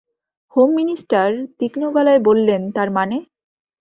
Home minister তীক্ষ্ণ গলায় বললেন, তার মানে?